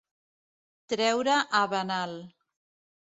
Treure a venal.